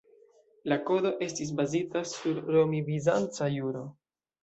La Kodo estis bazita sur romi-bizanca juro.